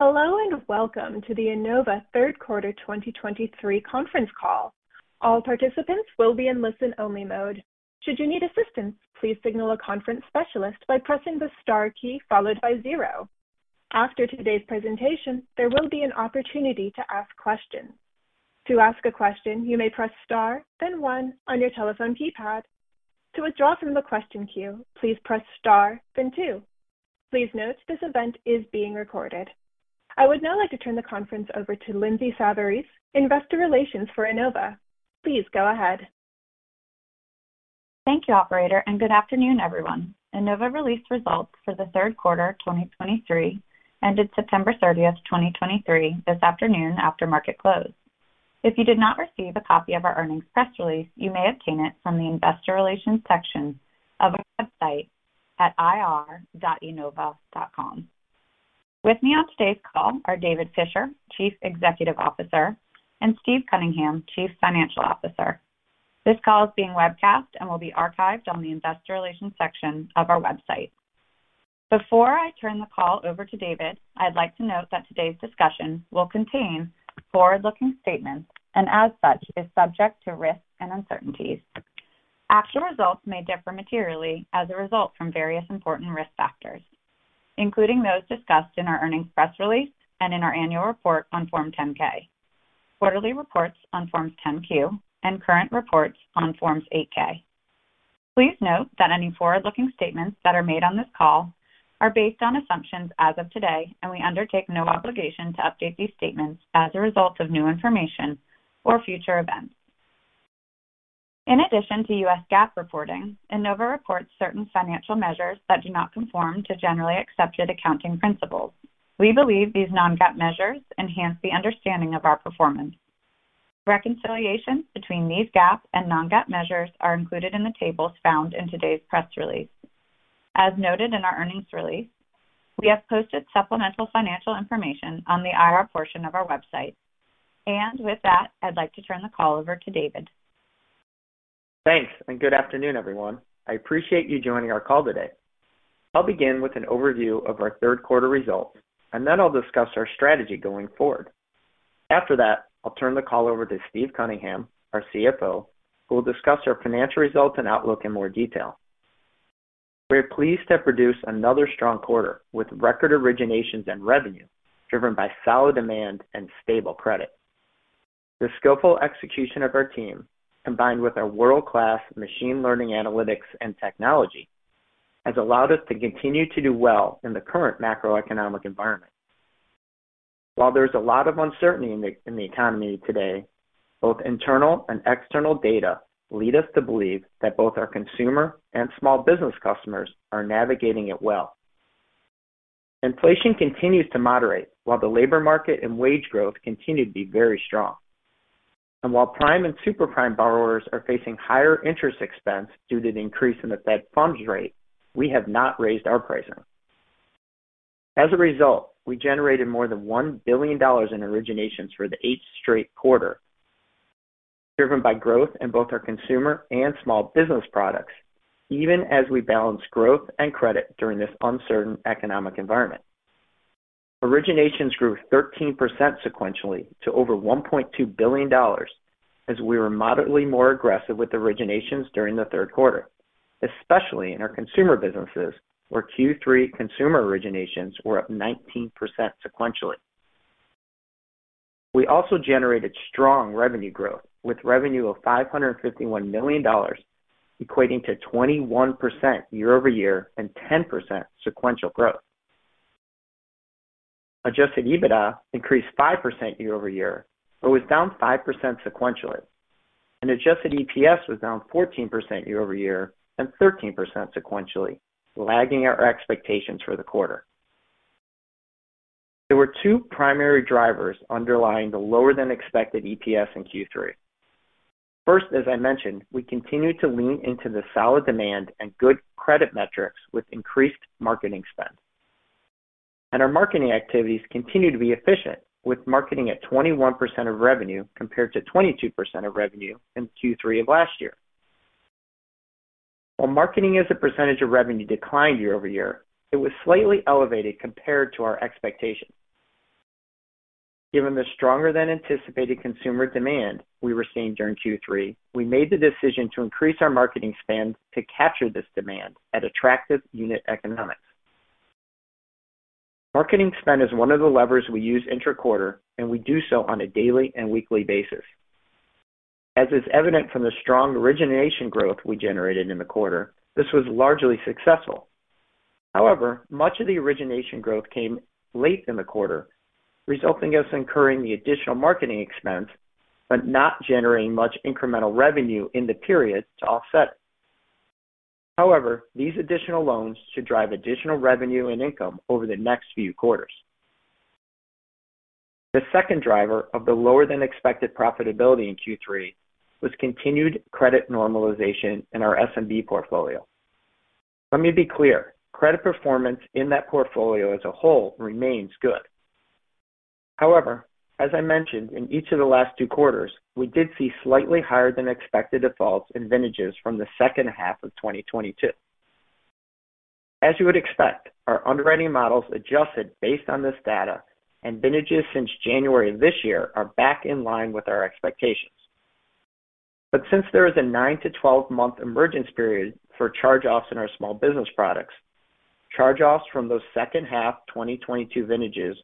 Hello, and welcome to the Enova third quarter 2023 conference call. All participants will be in listen-only mode. Should you need assistance, please signal a conference specialist by pressing the star key followed by zero. After today's presentation, there will be an opportunity to ask questions. To ask a question, you may press star, then one on your telephone keypad. To withdraw from the question queue, please press star, then two. Please note, this event is being recorded. I would now like to turn the conference over to Lindsay Savarese, Investor Relations for Enova. Please go ahead. Thank you, operator, and good afternoon, everyone. Enova released results for the third quarter 2023, ended September 30th, 2023, this afternoon after market close. If you did not receive a copy of our earnings press release, you may obtain it from the Investor Relations section of our website at ir.enova.com. With me on today's call are David Fisher, Chief Executive Officer, and Steve Cunningham, Chief Financial Officer. This call is being webcast and will be archived on the Investor Relations section of our website. Before I turn the call over to David, I'd like to note that today's discussion will contain forward-looking statements and, as such, is subject to risks and uncertainties. Actual results may differ materially as a result from various important risk factors, including those discussed in our earnings press release and in our annual report on Form 10-K, quarterly reports on Forms 10-Q, and current reports on Forms 8-K. Please note that any forward-looking statements that are made on this call are based on assumptions as of today, and we undertake no obligation to update these statements as a result of new information or future events. In addition to U.S. GAAP reporting, Enova reports certain financial measures that do not conform to generally accepted accounting principles. We believe these non-GAAP measures enhance the understanding of our performance. Reconciliations between these GAAP and non-GAAP measures are included in the tables found in today's press release. As noted in our earnings release, we have posted supplemental financial information on the IR portion of our website. With that, I'd like to turn the call over to David. Thanks, and good afternoon, everyone. I appreciate you joining our call today. I'll begin with an overview of our third quarter results, and then I'll discuss our strategy going forward. After that, I'll turn the call over to Steve Cunningham, our CFO, who will discuss our financial results and outlook in more detail. We're pleased to produce another strong quarter with record originations and revenue, driven by solid demand and stable credit. The skillful execution of our team, combined with our world-class machine learning, analytics, and technology, has allowed us to continue to do well in the current macroeconomic environment. While there's a lot of uncertainty in the economy today, both internal and external data lead us to believe that both our consumer and small business customers are navigating it well. Inflation continues to moderate, while the labor market and wage growth continue to be very strong. While prime and super prime borrowers are facing higher interest expense due to the increase in the Fed Funds Rate, we have not raised our pricing. As a result, we generated more than $1 billion in originations for the eighth straight quarter, driven by growth in both our consumer and small business products, even as we balance growth and credit during this uncertain economic environment. Originations grew 13% sequentially to over $1.2 billion, as we were moderately more aggressive with originations during the third quarter, especially in our consumer businesses, where Q3 consumer originations were up 19% sequentially. We also generated strong revenue growth, with revenue of $551 million, equating to 21% year-over-year and 10% sequential growth. Adjusted EBITDA increased 5% year-over-year, but was down 5% sequentially, and Adjusted EPS was down 14% year-over-year and 13% sequentially, lagging our expectations for the quarter. There were two primary drivers underlying the lower-than-expected EPS in Q3. First, as I mentioned, we continued to lean into the solid demand and good credit metrics with increased marketing spend, and our marketing activities continue to be efficient, with marketing at 21% of revenue, compared to 22% of revenue in Q3 of last year. While marketing as a percentage of revenue declined year-over-year, it was slightly elevated compared to our expectations. Given the stronger-than-anticipated consumer demand we were seeing during Q3, we made the decision to increase our marketing spend to capture this demand at attractive unit economics. Marketing spend is one of the levers we use intra-quarter, and we do so on a daily and weekly basis. As is evident from the strong origination growth we generated in the quarter, this was largely successful. However, much of the origination growth came late in the quarter, resulting in us incurring the additional marketing expense, but not generating much incremental revenue in the period to offset. However, these additional loans should drive additional revenue and income over the next few quarters. The second driver of the lower-than-expected profitability in Q3 was continued credit normalization in our SMB portfolio. Let me be clear: Credit performance in that portfolio as a whole remains good. However, as I mentioned in each of the last two quarters, we did see slightly higher-than-expected defaults and vintages from the second half of 2022.... As you would expect, our underwriting models adjusted based on this data, and vintages since January of this year are back in line with our expectations. But since there is a 9-12-month emergence period for charge-offs in our small business products, charge-offs from those second half 2022 vintages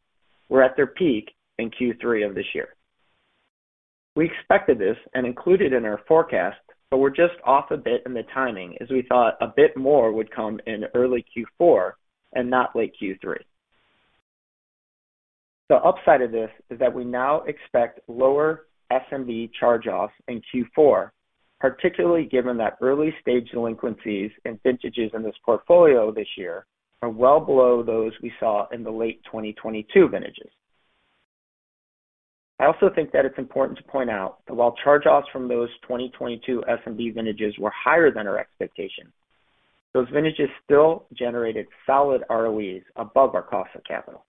were at their peak in Q3 of this year. We expected this and included in our forecast, but we're just off a bit in the timing, as we thought a bit more would come in early Q4 and not late Q3. The upside of this is that we now expect lower SMB charge-offs in Q4, particularly given that early-stage delinquencies and vintages in this portfolio this year are well below those we saw in the late 2022 vintages. I also think that it's important to point out that while charge-offs from those 2022 SMB vintages were higher than our expectations, those vintages still generated solid ROEs above our cost of capital.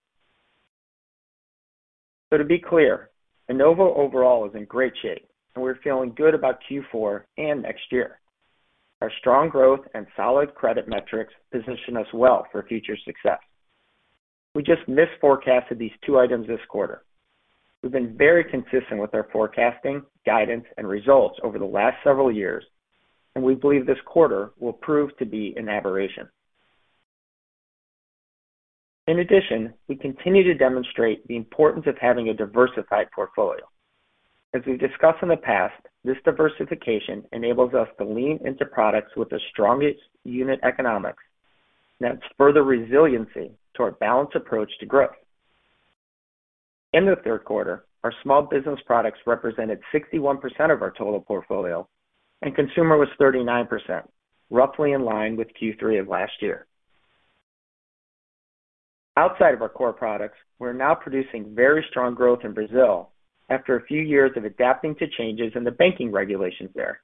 So to be clear, Enova overall is in great shape, and we're feeling good about Q4 and next year. Our strong growth and solid credit metrics position us well for future success. We just misforecasted these two items this quarter. We've been very consistent with our forecasting, guidance, and results over the last several years, and we believe this quarter will prove to be an aberration. In addition, we continue to demonstrate the importance of having a diversified portfolio. As we've discussed in the past, this diversification enables us to lean into products with the strongest unit economics, and adds further resiliency to our balanced approach to growth. In the third quarter, our small business products represented 61% of our total portfolio, and consumer was 39%, roughly in line with Q3 of last year. Outside of our core products, we're now producing very strong growth in Brazil after a few years of adapting to changes in the banking regulations there.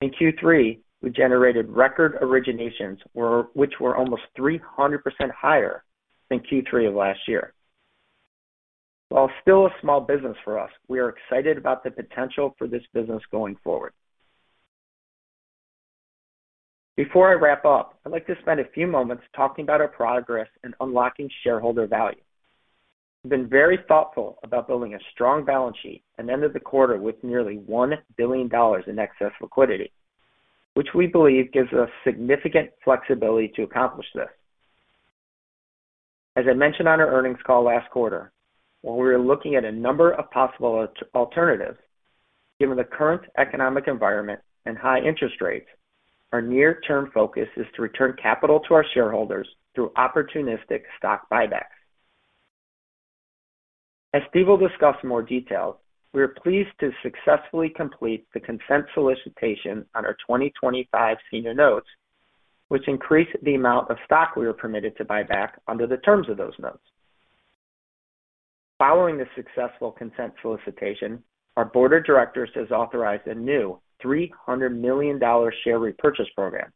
In Q3, we generated record originations, which were almost 300% higher than Q3 of last year. While still a small business for us, we are excited about the potential for this business going forward. Before I wrap up, I'd like to spend a few moments talking about our progress in unlocking shareholder value. We've been very thoughtful about building a strong balance sheet and ended the quarter with nearly $1 billion in excess liquidity, which we believe gives us significant flexibility to accomplish this. As I mentioned on our earnings call last quarter, while we are looking at a number of possible alternatives, given the current economic environment and high interest rates, our near-term focus is to return capital to our shareholders through opportunistic stock buybacks. As Steve will discuss in more detail, we are pleased to successfully complete the consent solicitation on our 2025 senior notes, which increased the amount of stock we are permitted to buy back under the terms of those notes. Following the successful consent solicitation, our board of directors has authorized a new $300 million share repurchase program,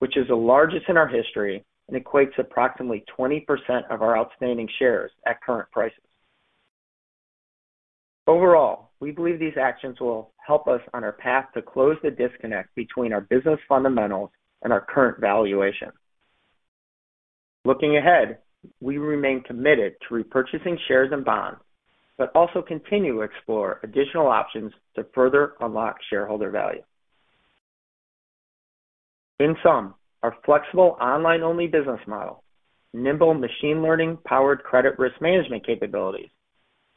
which is the largest in our history and equates approximately 20% of our outstanding shares at current prices. Overall, we believe these actions will help us on our path to close the disconnect between our business fundamentals and our current valuation. Looking ahead, we remain committed to repurchasing shares and bonds, but also continue to explore additional options to further unlock shareholder value. In sum, our flexible online-only business model, nimble machine learning-powered credit risk management capabilities,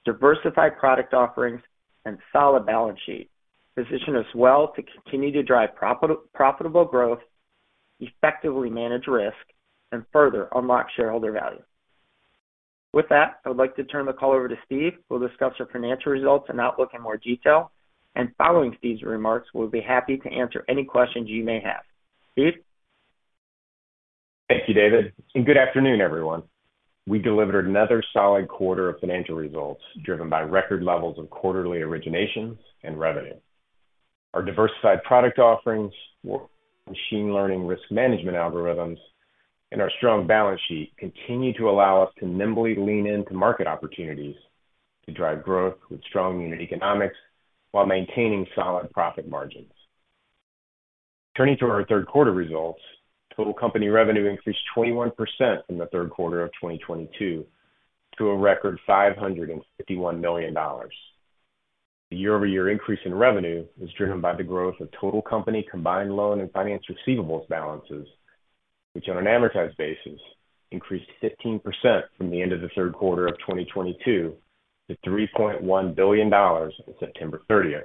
diversified product offerings, and solid balance sheet position us well to continue to drive profitable growth, effectively manage risk, and further unlock shareholder value. With that, I would like to turn the call over to Steve, who will discuss our financial results and outlook in more detail. Following Steve's remarks, we'll be happy to answer any questions you may have. Steve? Thank you, David, and good afternoon, everyone. We delivered another solid quarter of financial results, driven by record levels of quarterly originations and revenue. Our diversified product offerings, machine learning risk management algorithms, and our strong balance sheet continue to allow us to nimbly lean into market opportunities to drive growth with strong unit economics while maintaining solid profit margins. Turning to our third quarter results, total company revenue increased 21% from the third quarter of 2022 to a record $551 million. The year-over-year increase in revenue was driven by the growth of total company combined loan and finance receivables balances, which, on an amortized basis, increased 15% from the end of the third quarter of 2022 to $3.1 billion on September thirtieth.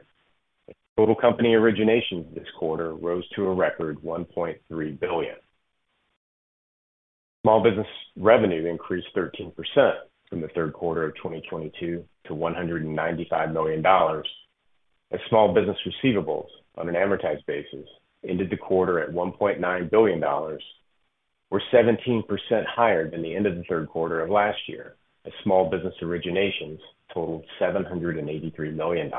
Total company originations this quarter rose to a record $1.3 billion. Small business revenue increased 13% from the third quarter of 2022 to $195 million, as small business receivables on an amortized basis ended the quarter at $1.9 billion, or 17% higher than the end of the third quarter of last year, as small business originations totaled $783 million.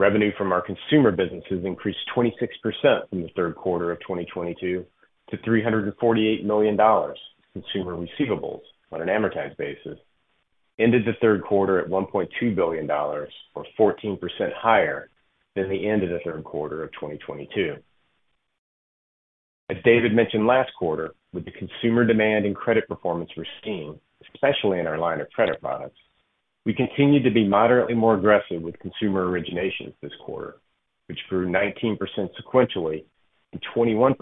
Revenue from our consumer businesses increased 26% from the third quarter of 2022 to $348 million. Consumer receivables on an amortized basis ended the third quarter at $1.2 billion, or 14% higher than the end of the third quarter of 2022. As David mentioned last quarter, with the consumer demand and credit performance we're seeing, especially in our line of credit products, we continued to be moderately more aggressive with consumer originations this quarter, which grew 19% sequentially and 21%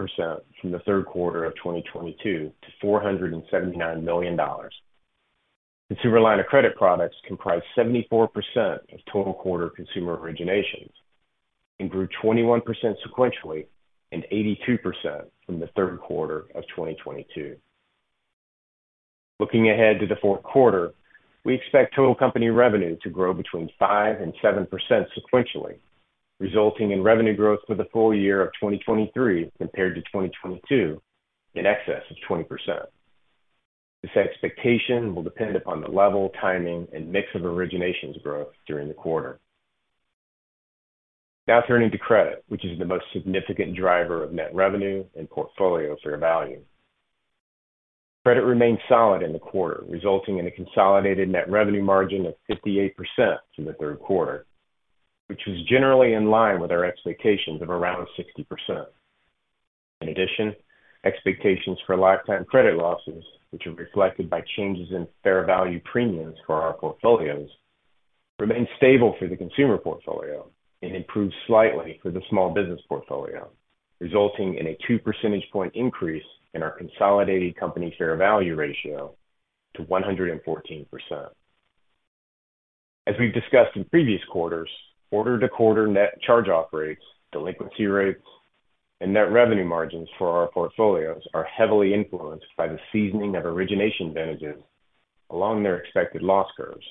from the third quarter of 2022 to $479 million. Consumer line of credit products comprised 74% of total quarter consumer originations and grew 21% sequentially and 82% from the third quarter of 2022. Looking ahead to the fourth quarter, we expect total company revenue to grow between 5% and 7% sequentially, resulting in revenue growth for the full year of 2023 compared to 2022 in excess of 20%. This expectation will depend upon the level, timing, and mix of originations growth during the quarter. Now turning to credit, which is the most significant driver of net revenue and portfolio fair value. Credit remained solid in the quarter, resulting in a consolidated net revenue margin of 58% from the third quarter, which was generally in line with our expectations of around 60%. In addition, expectations for lifetime credit losses, which are reflected by changes in fair value premiums for our portfolios, remained stable for the consumer portfolio and improved slightly for the small business portfolio, resulting in a two percentage point increase in our consolidated company fair value ratio to 114%. As we've discussed in previous quarters, quarter-to-quarter net charge-off rates, delinquency rates, and net revenue margins for our portfolios are heavily influenced by the seasoning of origination vintages along their expected loss curves.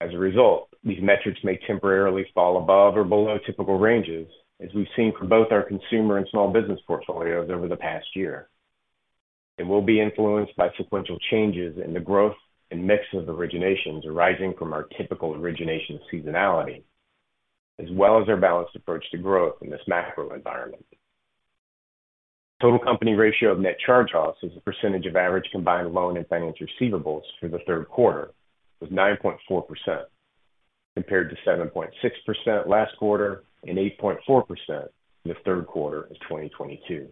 As a result, these metrics may temporarily fall above or below typical ranges, as we've seen for both our consumer and small business portfolios over the past year. It will be influenced by sequential changes in the growth and mix of originations arising from our typical origination seasonality, as well as our balanced approach to growth in this macro environment. Total company ratio of net charge-offs as a percentage of average combined loan and finance receivables for the third quarter was 9.4%, compared to 7.6% last quarter and 8.4% in the third quarter of 2022.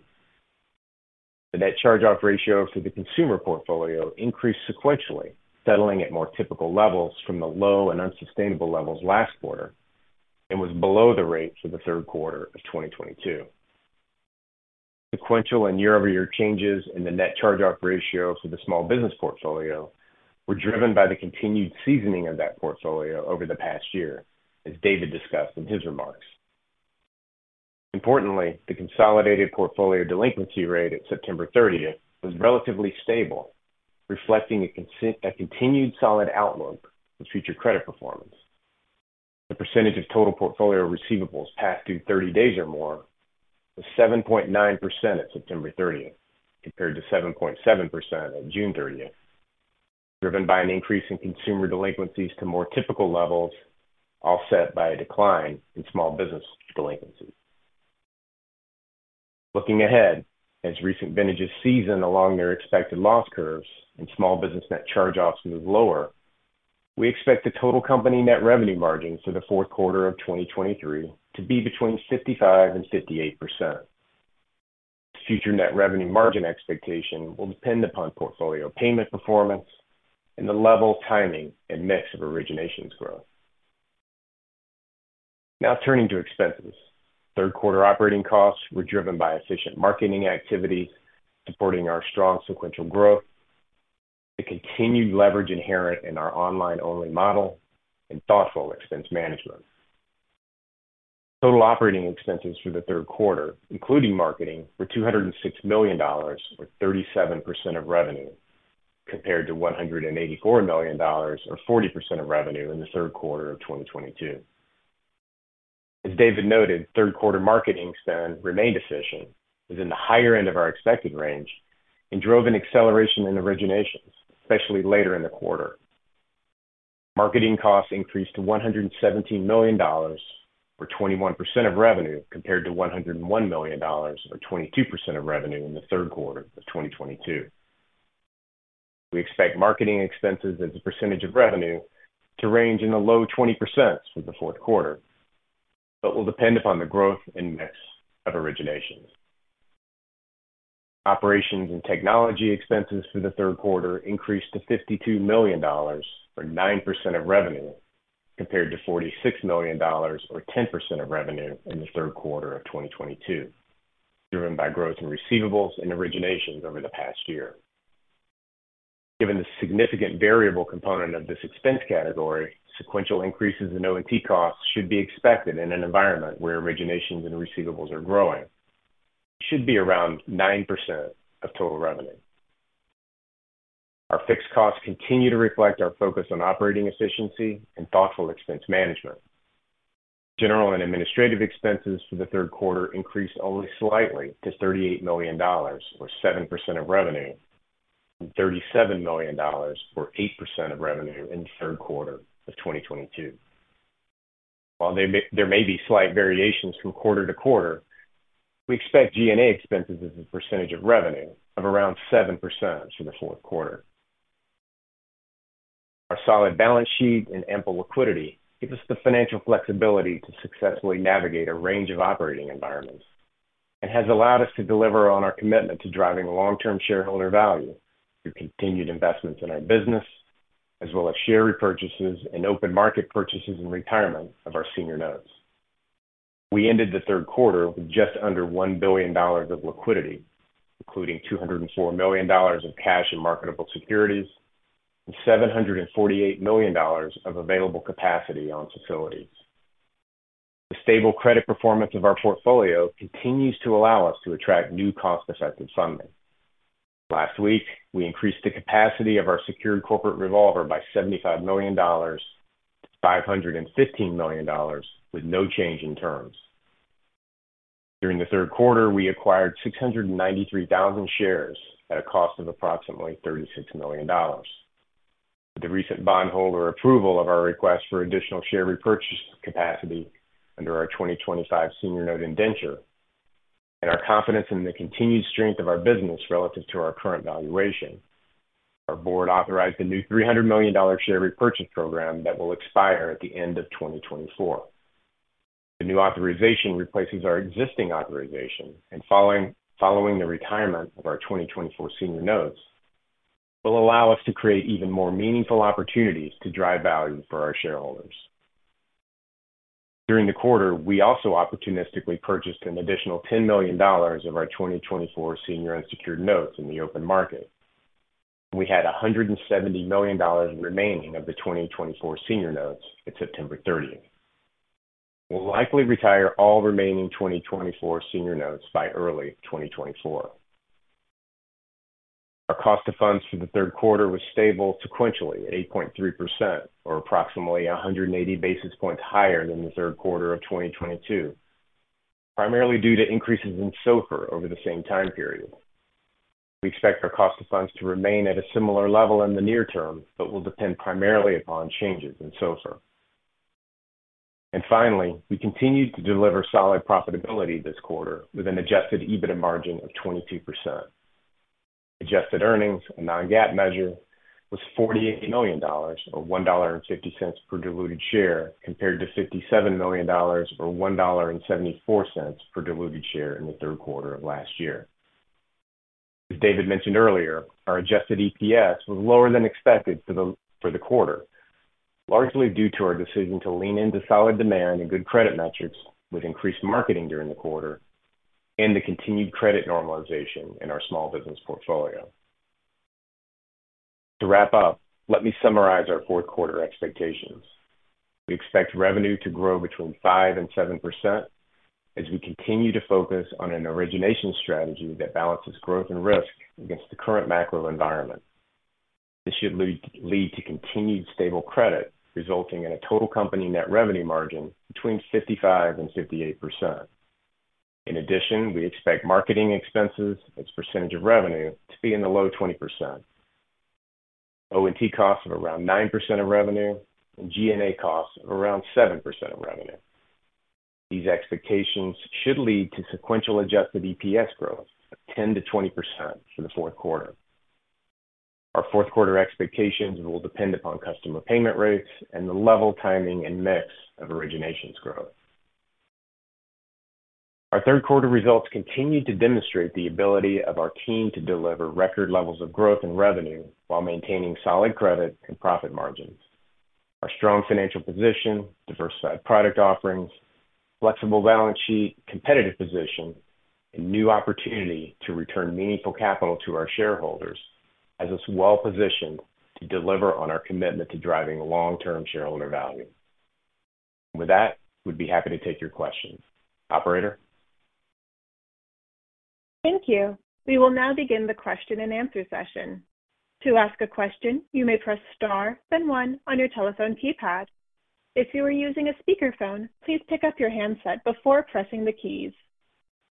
The net charge-off ratio for the consumer portfolio increased sequentially, settling at more typical levels from the low and unsustainable levels last quarter and was below the rate for the third quarter of 2022. Sequential and year-over-year changes in the net charge-off ratio for the small business portfolio were driven by the continued seasoning of that portfolio over the past year, as David discussed in his remarks. Importantly, the consolidated portfolio delinquency rate at September 30 was relatively stable, reflecting a continued solid outlook for future credit performance. The percentage of total portfolio receivables past due 30 days or more was 7.9% at September 30, compared to 7.7% on June 30, driven by an increase in consumer delinquencies to more typical levels, offset by a decline in small business delinquencies. Looking ahead, as recent vintages season along their expected loss curves and small business net charge-offs move lower, we expect the total company net revenue margin for the fourth quarter of 2023 to be between 55% and 58%. Future Net Revenue Margin expectation will depend upon portfolio payment performance and the level, timing, and mix of originations growth. Now turning to expenses. Third quarter operating costs were driven by efficient marketing activities, supporting our strong sequential growth, the continued leverage inherent in our online-only model and thoughtful expense management. Total operating expenses for the third quarter, including marketing, were $206 million, or 37% of revenue, compared to $184 million or 40% of revenue in the third quarter of 2022. As David noted, third quarter marketing spend remained efficient, was in the higher end of our expected range, and drove an acceleration in originations, especially later in the quarter. Marketing costs increased to $117 million, or 21% of revenue, compared to $101 million or 22% of revenue in the third quarter of 2022. We expect marketing expenses as a percentage of revenue to range in the low 20%s for the fourth quarter, but will depend upon the growth and mix of originations. Operations and technology expenses for the third quarter increased to $52 million, or 9% of revenue, compared to $46 million or 10% of revenue in the third quarter of 2022, driven by growth in receivables and originations over the past year. Given the significant variable component of this expense category, sequential increases in O&T costs should be expected in an environment where originations and receivables are growing. Should be around 9% of total revenue. Our fixed costs continue to reflect our focus on operating efficiency and thoughtful expense management. General and administrative expenses for the third quarter increased only slightly to $38 million, or 7% of revenue, from $37 million, or 8% of revenue in the third quarter of 2022. While there may be slight variations from quarter to quarter, we expect G&A expenses as a percentage of revenue of around 7% for the fourth quarter. Our solid balance sheet and ample liquidity give us the financial flexibility to successfully navigate a range of operating environments and has allowed us to deliver on our commitment to driving long-term shareholder value through continued investments in our business, as well as share repurchases and open market purchases and retirement of our senior notes. We ended the third quarter with just under $1 billion of liquidity, including $204 million of cash and marketable securities, and $748 million of available capacity on facilities. The stable credit performance of our portfolio continues to allow us to attract new cost-effective funding. Last week, we increased the capacity of our secured corporate revolver by $75 million to $515 million, with no change in terms. During the third quarter, we acquired 693,000 shares at a cost of approximately $36 million. With the recent bondholder approval of our request for additional share repurchase capacity under our 2025 senior note indenture, and our confidence in the continued strength of our business relative to our current valuation, our board authorized a new $300 million share repurchase program that will expire at the end of 2024. The new authorization replaces our existing authorization, and following the retirement of our 2024 senior notes, will allow us to create even more meaningful opportunities to drive value for our shareholders. During the quarter, we also opportunistically purchased an additional $10 million of our 2024 senior unsecured notes in the open market. We had $170 million remaining of the 2024 senior notes at September 30. We'll likely retire all remaining 2024 senior notes by early 2024. Our cost of funds for the third quarter was stable sequentially, at 8.3%, or approximately 180 basis points higher than the third quarter of 2022, primarily due to increases in SOFR over the same time period. We expect our cost of funds to remain at a similar level in the near term, but will depend primarily upon changes in SOFR. And finally, we continued to deliver solid profitability this quarter with an adjusted EBITDA margin of 22%. Adjusted earnings, a non-GAAP measure, was $48 million, or $1.50 per diluted share, compared to $57 million, or $1.74 per diluted share in the third quarter of last year. As David mentioned earlier, our adjusted EPS was lower than expected for the quarter, largely due to our decision to lean into solid demand and good credit metrics with increased marketing during the quarter and the continued credit normalization in our small business portfolio. To wrap up, let me summarize our fourth quarter expectations. We expect revenue to grow between 5% and 7% as we continue to focus on an origination strategy that balances growth and risk against the current macro environment. This should lead to continued stable credit, resulting in a total company net revenue margin between 55% and 58%. In addition, we expect marketing expenses as a percentage of revenue to be in the low 20%. O&T costs of around 9% of revenue and G&A costs of around 7% of revenue. These expectations should lead to sequential Adjusted EPS growth of 10%-20% for the fourth quarter. Our fourth quarter expectations will depend upon customer payment rates and the level, timing, and mix of originations growth. Our third quarter results continued to demonstrate the ability of our team to deliver record levels of growth and revenue while maintaining solid credit and profit margins. Our strong financial position, diversified product offerings, flexible balance sheet, competitive position, and new opportunity to return meaningful capital to our shareholders has us well-positioned to deliver on our commitment to driving long-term shareholder value. With that, we'd be happy to take your questions. Operator? Thank you. We will now begin the question-and-answer session. To ask a question, you may press Star, then one on your telephone keypad. If you are using a speakerphone, please pick up your handset before pressing the keys.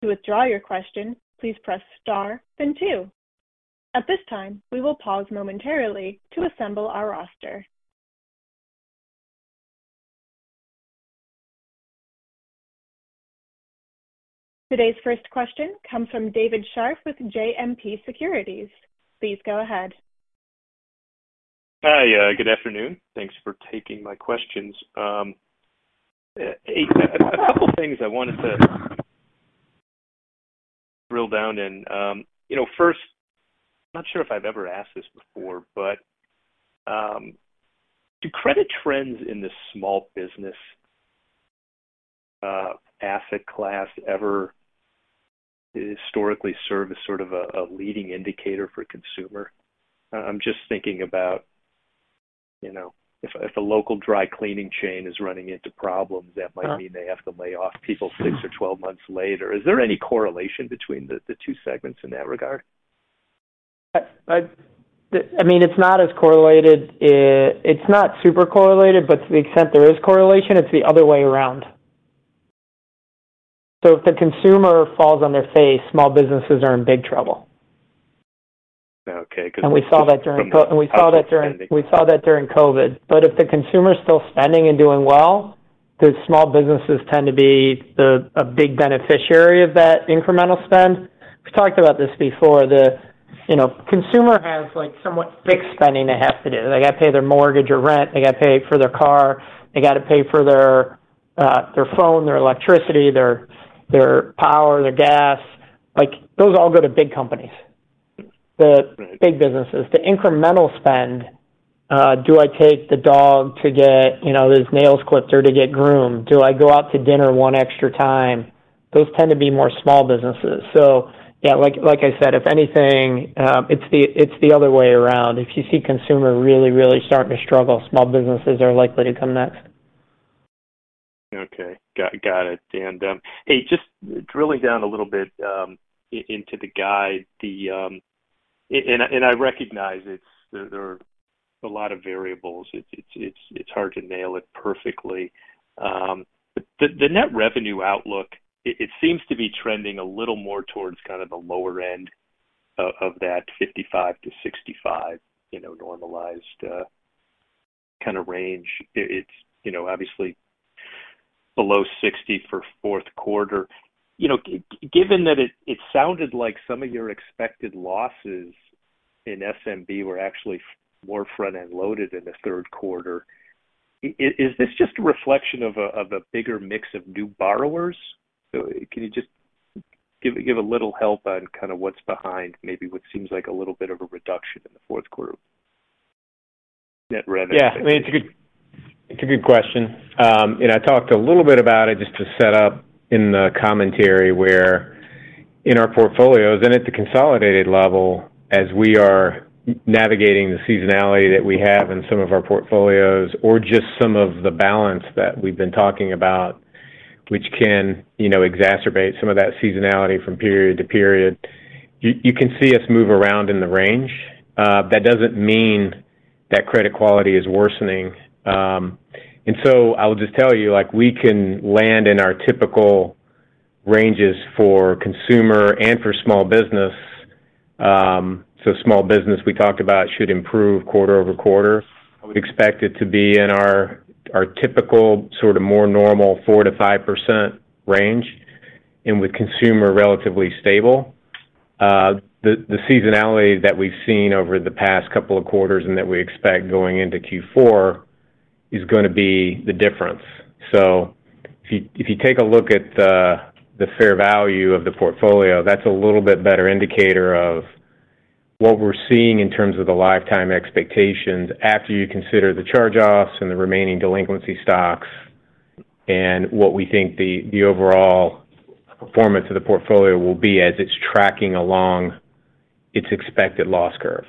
To withdraw your question, please press Star, then two. At this time, we will pause momentarily to assemble our roster. Today's first question comes from David Scharf with JMP Securities. Please go ahead. Hi, good afternoon. Thanks for taking my questions. A couple things I wanted to drill down in. You know, first, I'm not sure if I've ever asked this before, but, do credit trends in the small business asset class ever historically serve as sort of a leading indicator for consumer? I'm just thinking about, you know, if a local dry cleaning chain is running into problems, that might mean they have to lay off people six or 12 months later. Is there any correlation between the two segments in that regard? I mean, it's not as correlated. It's not super correlated, but to the extent there is correlation, it's the other way around. ...So if the consumer falls on their face, small businesses are in big trouble. Okay, 'cause- And we saw that during COVID. But if the consumer is still spending and doing well, the small businesses tend to be a big beneficiary of that incremental spend. We've talked about this before. The, you know, consumer has, like, somewhat fixed spending they have to do. They gotta pay their mortgage or rent, they gotta pay for their car, they gotta pay for their phone, their electricity, their power, their gas. Like, those all go to big companies, the big businesses. The incremental spend, do I take the dog to get, you know, his nails clipped or to get groomed? Do I go out to dinner one extra time? Those tend to be more small businesses. So yeah, like I said, if anything, it's the other way around. If you see consumer really, really starting to struggle, small businesses are likely to come next. Okay. Got it. And, hey, just drilling down a little bit, into the guide, and I recognize it's there are a lot of variables. It's hard to nail it perfectly. But the net revenue outlook, it seems to be trending a little more towards kind of the lower end of that 55-65, you know, normalized, kind of range. It's, you know, obviously below 60 for fourth quarter. You know, given that it sounded like some of your expected losses in SMB were actually more front-end loaded in the third quarter, is this just a reflection of a bigger mix of new borrowers? Can you just give a little help on kinda what's behind, maybe what seems like a little bit of a reduction in the fourth quarter net revenue? Yeah, I mean, it's a good question. I talked a little bit about it just to set up in the commentary where in our portfolios and at the consolidated level, as we are navigating the seasonality that we have in some of our portfolios or just some of the balance that we've been talking about, which can, you know, exacerbate some of that seasonality from period to period, you can see us move around in the range. That doesn't mean that credit quality is worsening. And so I'll just tell you, like, we can land in our typical ranges for consumer and for small business. Small business we talked about should improve quarter-over-quarter. I would expect it to be in our typical sort of more normal 4%-5% range, and with consumer relatively stable. The seasonality that we've seen over the past couple of quarters and that we expect going into Q4 is gonna be the difference. So if you take a look at the fair value of the portfolio, that's a little bit better indicator of what we're seeing in terms of the lifetime expectations, after you consider the charge-offs and the remaining delinquency stocks, and what we think the overall performance of the portfolio will be as it's tracking along its expected loss curve.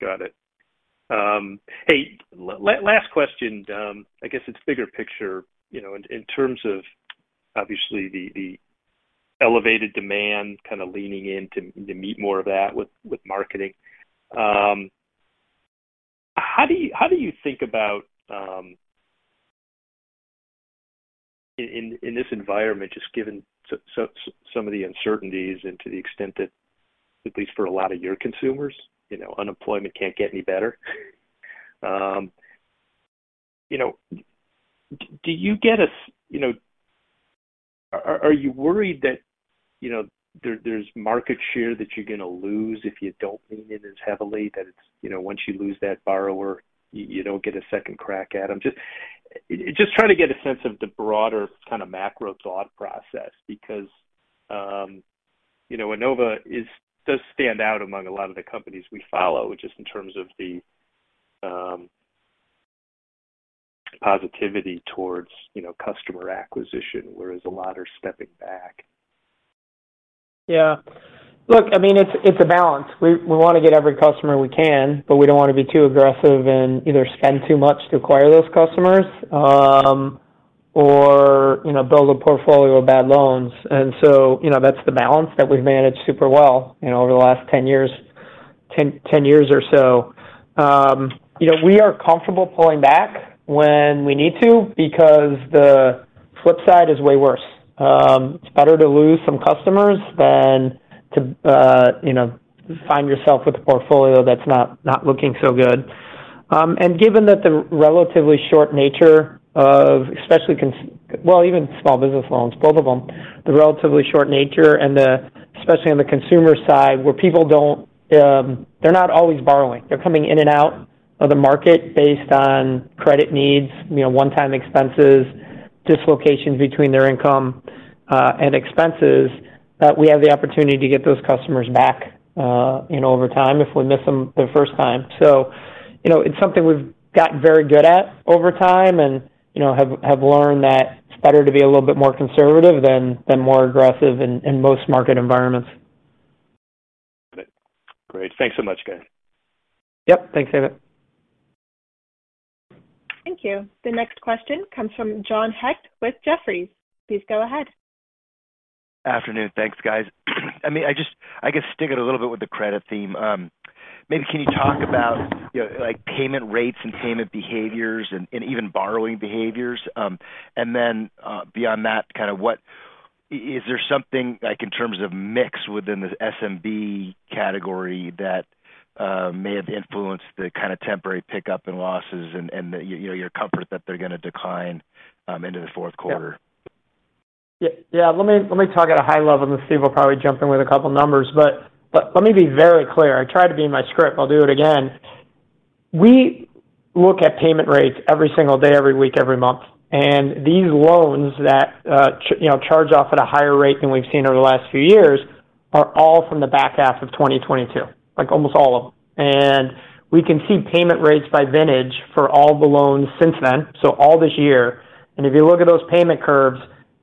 Got it. Hey, last question, I guess it's bigger picture, you know, in terms of obviously the elevated demand kind of leaning in to meet more of that with marketing. How do you think about... In this environment, just given some of the uncertainties and to the extent that at least for a lot of your consumers, you know, unemployment can't get any better. You know, do you get a... You know, are you worried that, you know, there's market share that you're gonna lose if you don't lean in as heavily, that it's, you know, once you lose that borrower, you don't get a second crack at them? Just trying to get a sense of the broader kind of macro thought process, because, you know, Enova does stand out among a lot of the companies we follow, just in terms of the positivity towards, you know, customer acquisition, whereas a lot are stepping back. Yeah. Look, I mean, it's a balance. We wanna get every customer we can, but we don't wanna be too aggressive and either spend too much to acquire those customers, or, you know, build a portfolio of bad loans. And so, you know, that's the balance that we've managed super well, you know, over the last 10 years, 10, 10 years or so. You know, we are comfortable pulling back when we need to because the flip side is way worse. It's better to lose some customers than to, you know, find yourself with a portfolio that's not looking so good. And given that the relatively short nature of... especially con- well, even small business loans, both of them, the relatively short nature and the- especially on the consumer side, where people don't, they're not always borrowing. They're coming in and out of the market based on credit needs, you know, one-time expenses, dislocations between their income and expenses, that we have the opportunity to get those customers back, you know, over time if we miss them the first time. So, you know, it's something we've gotten very good at over time and, you know, have learned that it's better to be a little bit more conservative than more aggressive in most market environments. Got it. Great. Thanks so much, guys. Yep. Thanks, David. Thank you. The next question comes from John Hecht with Jefferies. Please go ahead.... Afternoon. Thanks, guys. I mean, I guess sticking a little bit with the credit theme. Maybe can you talk about, you know, like, payment rates and payment behaviors and even borrowing behaviors? And then, beyond that, kind of what is there something, like, in terms of mix within the SMB category that may have influenced the kind of temporary pickup in losses and the, you know, your comfort that they're gonna decline into the fourth quarter? Yeah. Yeah, let me, let me talk at a high level, and Steve will probably jump in with a couple numbers. But, but let me be very clear. I tried to be in my script. I'll do it again. We look at payment rates every single day, every week, every month, and these loans that, you know, charge off at a higher rate than we've seen over the last few years, are all from the back half of 2022, like, almost all of them. And we can see payment rates by vintage for all the loans since then, so all this year. And if you look at those payment curves,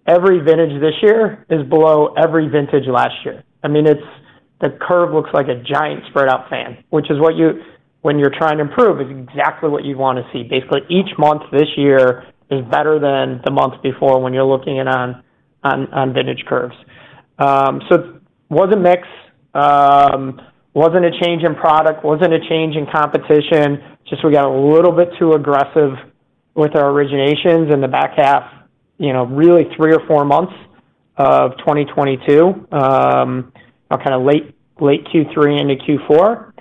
every vintage this year is below every vintage last year. I mean, it's the curve looks like a giant spread-out fan, which is what you... When you're trying to improve, is exactly what you'd want to see. Basically, each month this year is better than the month before when you're looking in on vintage curves. So it wasn't mix, wasn't a change in product, wasn't a change in competition. Just we got a little bit too aggressive with our originations in the back half, you know, really 3 or 4 months of 2022, you know, kind of late Q3 into Q4.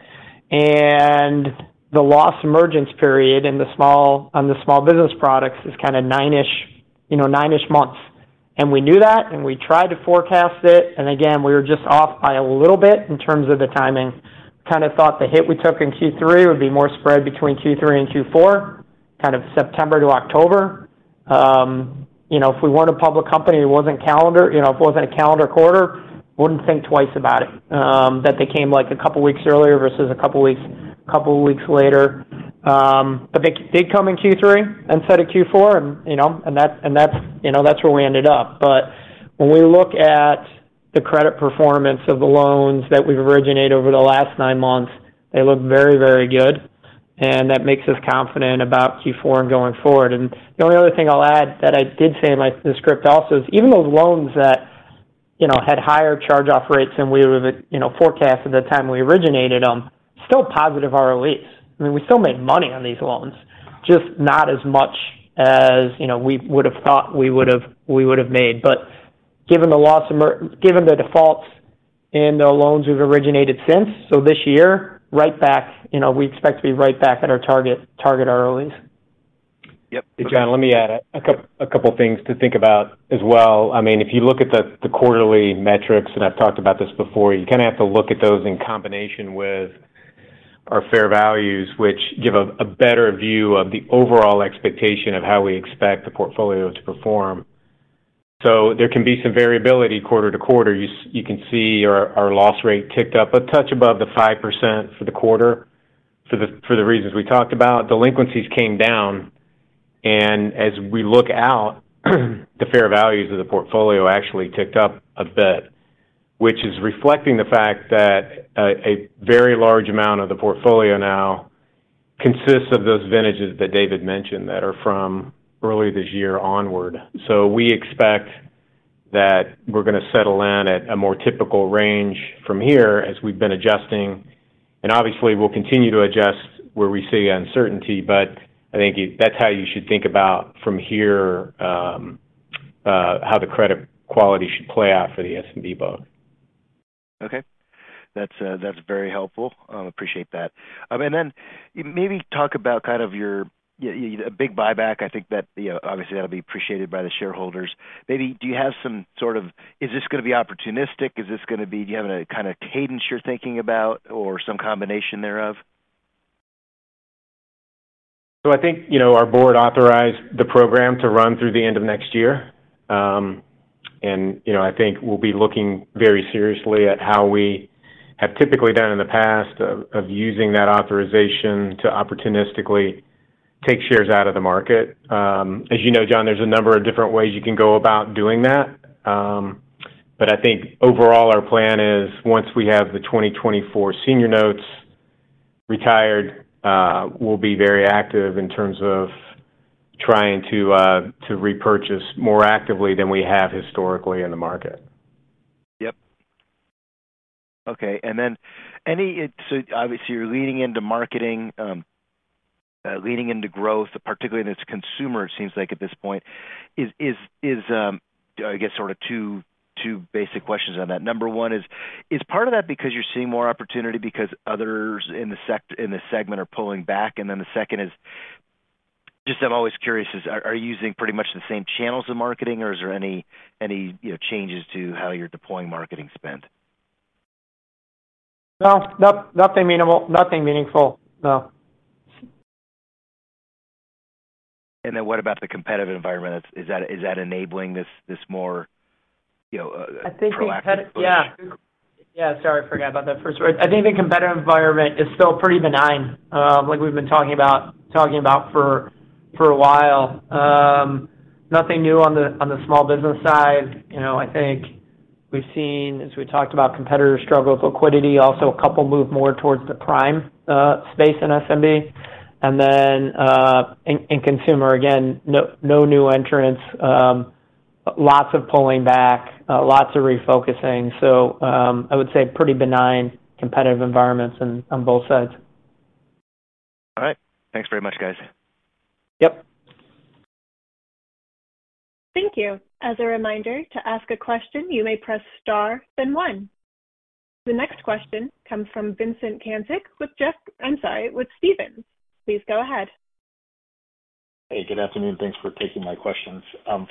And the loss emergence period in the small business products is kind of 9-ish, you know, 9-ish months. And we knew that, and we tried to forecast it, and again, we were just off by a little bit in terms of the timing. Kind of thought the hit we took in Q3 would be more spread between Q3 and Q4, kind of September to October. You know, if we weren't a public company, it wasn't calendar. You know, if it wasn't a calendar quarter, wouldn't think twice about it, that they came, like, a couple of weeks earlier versus a couple weeks, couple of weeks later. But they, they'd come in Q3 instead of Q4, and, you know, and that's, and that's, you know, that's where we ended up. But when we look at the credit performance of the loans that we've originated over the last nine months, they look very, very good, and that makes us confident about Q4 and going forward. And the only other thing I'll add that I did say in my, the script also, is even those loans that, you know, had higher charge-off rates than we were, you know, forecast at the time we originated them, still positive ROEs. I mean, we still made money on these loans, just not as much as, you know, we would've thought we would've, we would've made. But given the defaults in the loans we've originated since, so this year, right back. You know, we expect to be right back at our target, target ROEs. Yep. Hey, John, let me add a couple things to think about as well. I mean, if you look at the quarterly metrics, and I've talked about this before, you kind of have to look at those in combination with our fair values, which give a better view of the overall expectation of how we expect the portfolio to perform. So there can be some variability quarter to quarter. You can see our loss rate ticked up a touch above the 5% for the quarter for the reasons we talked about. Delinquencies came down, and as we look out, the fair values of the portfolio actually ticked up a bit, which is reflecting the fact that a very large amount of the portfolio now consists of those vintages that David mentioned, that are from early this year onward. So we expect that we're gonna settle in at a more typical range from here as we've been adjusting. And obviously, we'll continue to adjust where we see uncertainty, but I think that's how you should think about from here, how the credit quality should play out for the SMB book. Okay. That's, that's very helpful. Appreciate that. And then maybe talk about kind of your big buyback. I think that, you know, obviously, that'll be appreciated by the shareholders. Maybe do you have some sort of... Is this gonna be opportunistic? Is this gonna be? Do you have a kind of cadence you're thinking about or some combination thereof? So I think, you know, our board authorized the program to run through the end of next year. And, you know, I think we'll be looking very seriously at how we have typically done in the past of using that authorization to opportunistically take shares out of the market. As you know, John, there's a number of different ways you can go about doing that. But I think overall, our plan is once we have the 2024 senior notes retired, we'll be very active in terms of trying to repurchase more actively than we have historically in the market. Yep. Okay, and then it's obviously you're leaning into marketing, leaning into growth, particularly in this consumer, it seems like at this point. Is, I guess sort of two basic questions on that. Number one is: Is part of that because you're seeing more opportunity because others in the segment are pulling back? And then the second is, just I'm always curious, are you using pretty much the same channels of marketing, or is there any, you know, changes to how you're deploying marketing spend? No, nothing minimal. Nothing meaningful, no. And then what about the competitive environment? Is that, is that enabling this, this more, you know, proactive- I think... Yeah. Yeah, sorry, I forgot about that first one. I think the competitive environment is still pretty benign, like we've been talking about for a while. Nothing new on the small business side. You know, I think we've seen, as we talked about, competitors struggle with liquidity. Also, a couple move more towards the prime space in SMB. And then, in consumer, again, no new entrants, lots of pulling back, lots of refocusing. So, I would say pretty benign competitive environments on both sides. All right. Thanks very much, guys. Yep. Thank you. As a reminder, to ask a question, you may press Star, then One. The next question comes from Vincent Caintic with Jeff-- I'm sorry, with Stephens. Please go ahead. Hey, good afternoon. Thanks for taking my questions.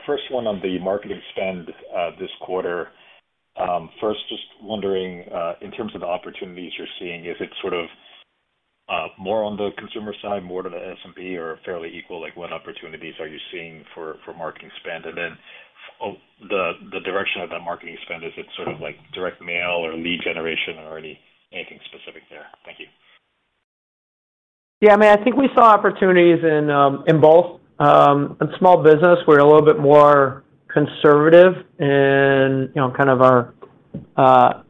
First one on the marketing spend this quarter. First, just wondering, in terms of the opportunities you're seeing, is it sort of more on the consumer side, more to the SMB, or fairly equal? Like, what opportunities are you seeing for marketing spend? And then, the direction of that marketing spend, is it sort of like direct mail or lead generation or anything specific there? Thank you. Yeah, I mean, I think we saw opportunities in both. In small business, we're a little bit more conservative in, you know, kind of our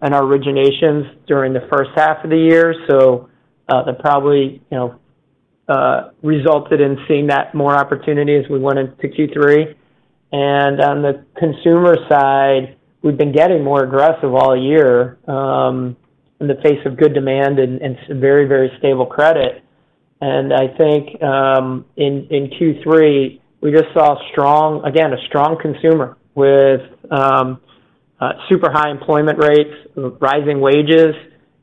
originations during the first half of the year. So, that probably, you know, resulted in seeing that more opportunity as we went into Q3. And on the consumer side, we've been getting more aggressive all year in the face of good demand and very, very stable credit. And I think in Q3, we just saw strong, again, a strong consumer with super high employment rates, rising wages,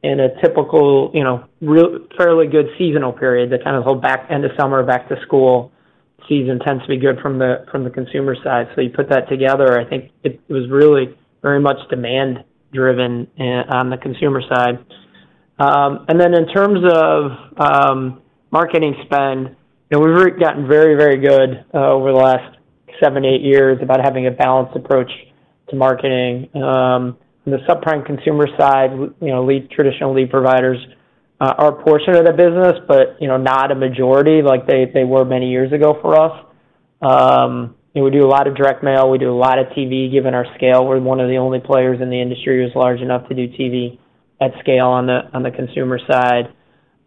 and a typical, you know, really fairly good seasonal period. That kind of hold back, end of summer, back to school season tends to be good from the consumer side. So you put that together, I think it was really very much demand driven in on the consumer side. And then in terms of marketing spend, you know, we've gotten very, very good over the last seven, eight years about having a balanced approach to marketing. On the subprime consumer side, you know, lead traditional lead providers are a portion of the business, but, you know, not a majority like they were many years ago for us. And we do a lot of direct mail. We do a lot of TV. Given our scale, we're one of the only players in the industry who's large enough to do TV at scale on the consumer side.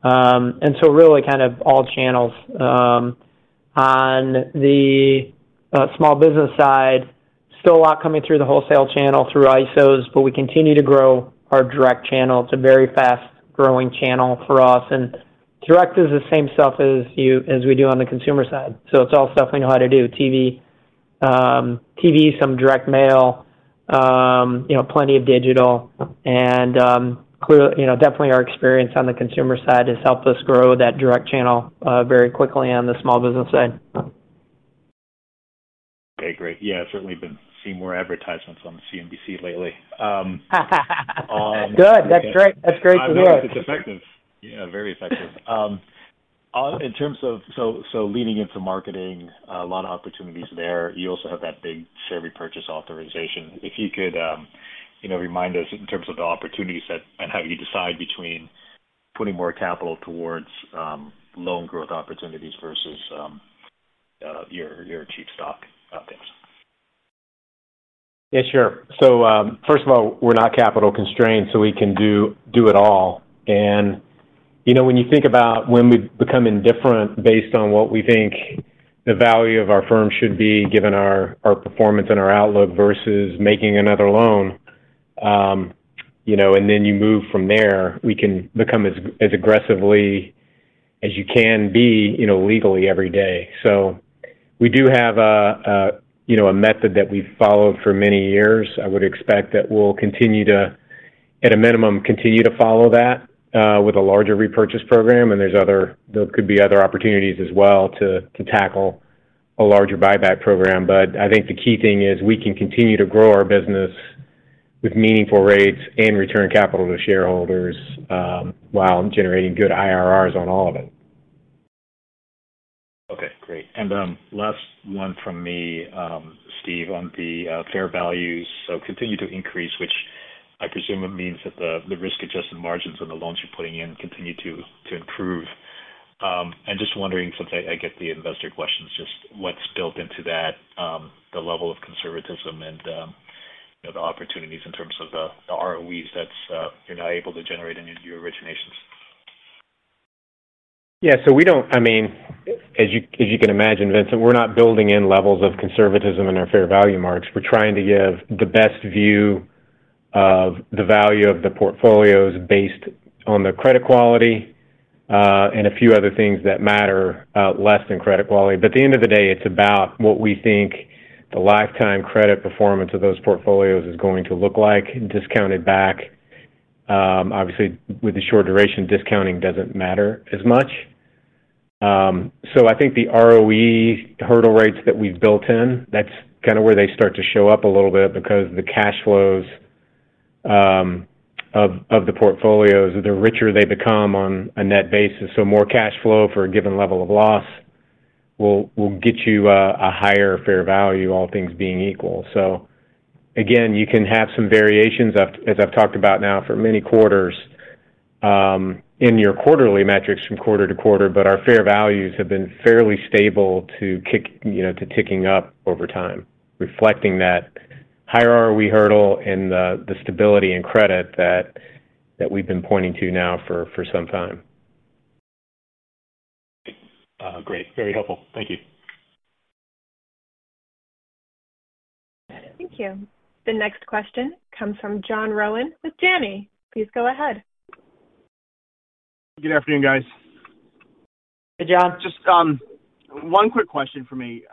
And so really kind of all channels. On the small business side, still a lot coming through the wholesale channel, through ISOs, but we continue to grow our direct channel. It's a very fast-growing channel for us, and direct is the same stuff as we do on the consumer side. So it's all stuff we know how to do. TV, TV, some direct mail, you know, plenty of digital, and clearly, you know, definitely our experience on the consumer side has helped us grow that direct channel very quickly on the small business side. Okay, great. Yeah, certainly been seeing more advertisements on CNBC lately. Good. That's great. That's great to hear. I know it's effective. Yeah, very effective. In terms of... So, so leaning into marketing, a lot of opportunities there. You also have that big share repurchase authorization. If you could, you know, remind us in terms of the opportunities that, and how you decide between putting more capital towards, loan growth opportunities versus, your, your cheap stock updates. Yeah, sure. So, first of all, we're not capital constrained, so we can do it all. And, you know, when you think about when we've become indifferent based on what we think the value of our firm should be, given our performance and our outlook, versus making another loan, you know, and then you move from there, we can become as aggressively as you can be, you know, legally every day. So we do have a, you know, a method that we've followed for many years. I would expect that we'll continue to, at a minimum, continue to follow that, with a larger repurchase program. And there's other, there could be other opportunities as well to, to tackle a larger buyback program. But I think the key thing is we can continue to grow our business with meaningful rates and return capital to shareholders, while generating good IRRs on all of it. Okay, great. And last one from me, Steve, on the fair values. So continue to increase, which I presume it means that the risk-adjusted margins on the loans you're putting in continue to improve. And just wondering, since I get the investor questions, just what's built into that, the level of conservatism and, you know, the opportunities in terms of the ROEs that's you're now able to generate in your originations? Yeah, so we don't... I mean, as you can imagine, Vincent, we're not building in levels of conservatism in our Fair Value marks. We're trying to give the best view of the value of the portfolios based on the credit quality, and a few other things that matter less than credit quality. But at the end of the day, it's about what we think the lifetime credit performance of those portfolios is going to look like, discounted back. Obviously, with the short duration, discounting doesn't matter as much. So I think the ROE hurdle rates that we've built in, that's kind of where they start to show up a little bit because the cash flows of the portfolios, the richer they become on a net basis. So more cash flow for a given level of loss will get you a higher fair value, all things being equal. So again, you can have some variations, as I've talked about now for many quarters, in your quarterly metrics from quarter to quarter, but our fair values have been fairly stable to kick, you know, to ticking up over time, reflecting that-... higher ROE hurdle and the stability and credit that we've been pointing to now for some time. Great. Very helpful. Thank you. Thank you. The next question comes from John Rowan with Janney. Please go ahead. Good afternoon, guys. Hey, John. Just one quick question for me.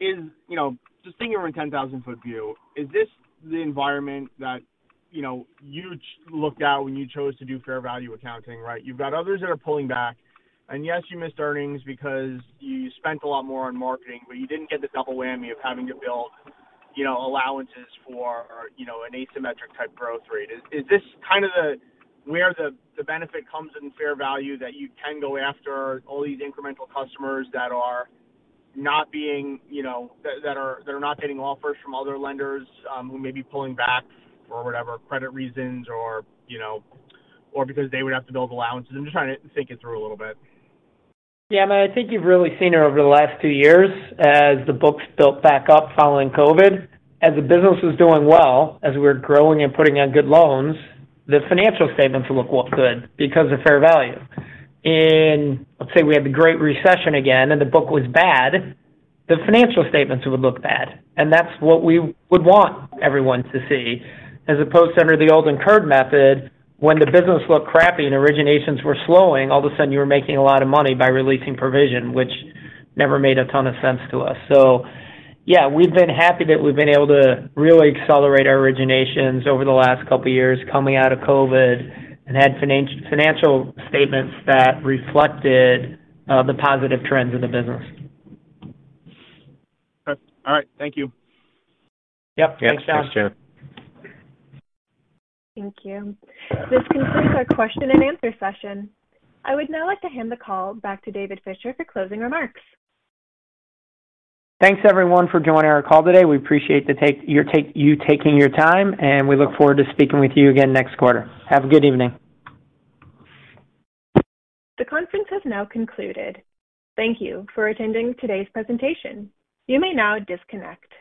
Is, you know, just thinking around 10,000-foot view, is this the environment that, you know, you looked at when you chose to do fair value accounting, right? You've got others that are pulling back, and yes, you missed earnings because you spent a lot more on marketing, but you didn't get the double whammy of having to build, you know, allowances for, you know, an asymmetric-type growth rate. Is this kind of where the benefit comes in fair value, that you can go after all these incremental customers that are not being, you know, that are not getting offers from other lenders, who may be pulling back for whatever credit reasons or, you know, or because they would have to build allowances? I'm just trying to think it through a little bit. Yeah, I mean, I think you've really seen it over the last two years as the books built back up following COVID. As the business was doing well, as we're growing and putting on good loans, the financial statements look, look good because of fair value. In, let's say, we had the Great Recession again, and the book was bad, the financial statements would look bad, and that's what we would want everyone to see. As opposed to under the old incurred method, when the business looked crappy and originations were slowing, all of a sudden you were making a lot of money by releasing provision, which never made a ton of sense to us. So yeah, we've been happy that we've been able to really accelerate our originations over the last couple of years, coming out of COVID, and had financial statements that reflected the positive trends in the business. Okay. All right. Thank you. Yep. Thanks, John. Thank you. This concludes our question and answer session. I would now like to hand the call back to David Fisher for closing remarks. Thanks, everyone, for joining our call today. We appreciate you taking your time, and we look forward to speaking with you again next quarter. Have a good evening. The conference has now concluded. Thank you for attending today's presentation. You may now disconnect.